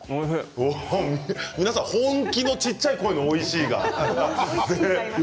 本気の小さい声のおいしいが。